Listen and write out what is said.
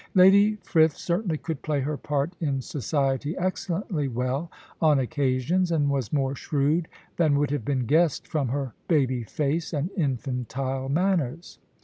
Lady Frith certainly could play her part in society excellently well on occasions, and was more shrewd than would have been guessed from her baby face and infantile manners.